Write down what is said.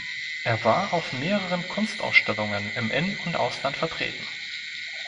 Er war auf mehreren Kunstausstellungen im In- und Ausland vertreten.